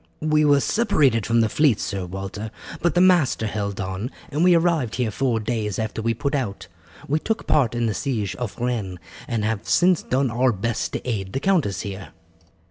"We were separated from the fleet, Sir Walter, but the master held on, and we arrived here four days after we put out. We took part in the siege of Rennes, and have since done our best to aid the countess here."